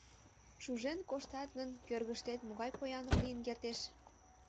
Шужен коштат гын, кӧргыштет могай поянлык лийын кертеш?